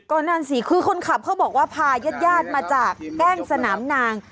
ก็นั่นสิคือคนขับเขาบอกว่าพายาดมาจากแกล้งสนามนาง